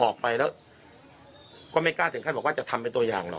ออกไปแล้วก็ไม่กล้าถึงขั้นบอกว่าจะทำเป็นตัวอย่างหรอก